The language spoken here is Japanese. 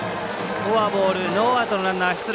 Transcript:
フォアボールノーアウトのランナー出塁。